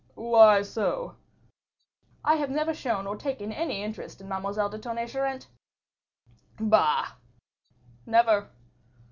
"Why so?" "I have never shown or taken any interest in Mademoiselle de Tonnay Charente." "Bah!" "Never."